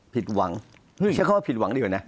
ผิดคาดเหรอ